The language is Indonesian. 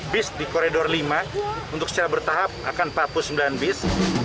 bis di koridor lima untuk secara bertahap akan empat puluh sembilan bis